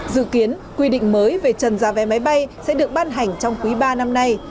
dự kiến quy định mới về trần giá vé máy bay sẽ được ban hành trong quý ba năm nay